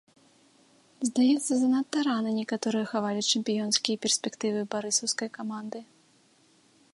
Здаецца, занадта рана некаторыя хавалі чэмпіёнскія перспектывы барысаўскай каманды.